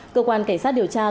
cơ quan cảnh sát điều tra